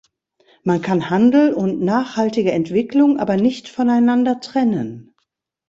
Man kann Handel und nachhaltige Entwicklung aber nicht voneinander trennen.